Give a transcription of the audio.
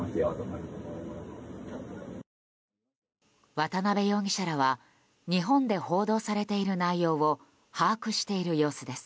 渡邉容疑者らは日本で報道されている内容を把握している様子です。